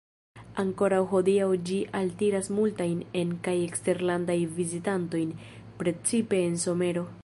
Ankoraŭ hodiaŭ ĝi altiras multajn en- kaj eksterlandajn vizitantojn, precipe en somero.